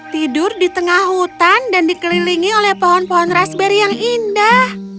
tidur di tengah hutan dan dikelilingi oleh pohon pohon raspberry yang indah